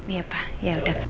iya pak ya udah